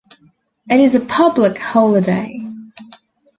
It is a public holiday.